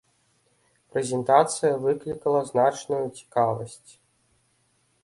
Прэзентацыя выклікала значную цікавасць.